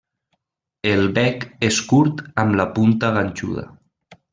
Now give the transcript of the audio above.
El bec és curt amb la punta ganxuda.